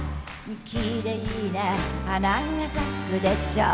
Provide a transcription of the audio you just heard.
きれいな花が咲くでしょう